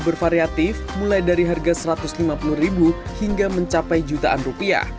bervariatif mulai dari harga rp satu ratus lima puluh hingga mencapai jutaan rupiah